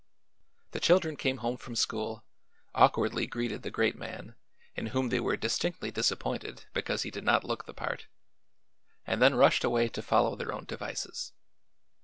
The children came home from school, awkwardly greeted the Great Man, in whom they were distinctly disappointed because he did not look the part, and then rushed away to follow their own devices.